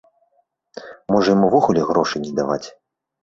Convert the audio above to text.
Можа, ім увогуле грошай не даваць?